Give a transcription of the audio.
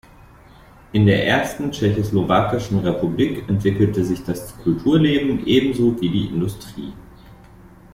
In der ersten tschechoslowakischen Republik entwickelte sich das Kulturleben, ebenso wie die Industrie.